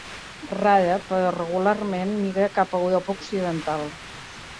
Rara però regularment migra cap a Europa Occidental.